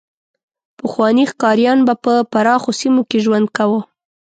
پخواني ښکاریان به په پراخو سیمو کې ژوند کاوه.